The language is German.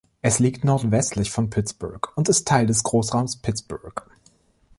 Es liegt nordwestlich von Pittsburgh und ist Teil des Großraums Pittsburgh.